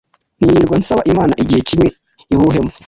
nirirwa tsaba imana igihe kimwe ihuhemo